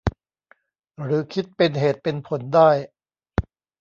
หรือคิดเป็นเหตุเป็นผลได้